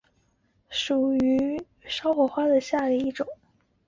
疏花火烧兰为兰科火烧兰属下的一个种。